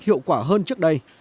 hiệu quả hơn trước đây